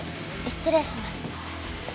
失礼します。